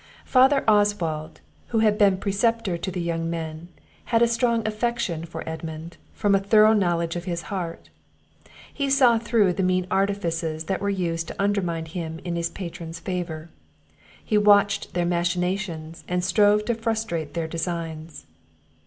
Father Oswald, who had been preceptor to the young men, had a strong affection for Edmund, from a thorough knowledge of his heart; he saw through the mean artifices that were used to undermine him in his patron's favour; he watched their machinations, and strove to frustrate their designs.